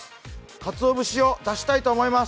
かつお節を出したいと思います。